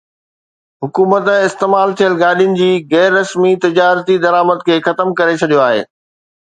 حڪومت استعمال ٿيل گاڏين جي غير رسمي تجارتي درآمد کي ختم ڪري ڇڏيو آهي